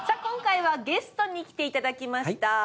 今回はゲストに来ていただきました。